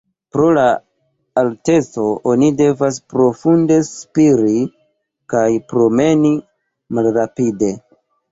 Pro la alteco oni devas profunde spiri kaj promeni malrapide.